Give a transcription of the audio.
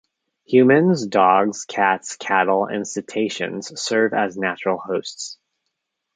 Humans, dogs, cats, cattle, and cetaceans serve as natural hosts.